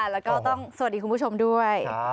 แล้วก็ต้องสวัสดีคุณผู้ชมด้วย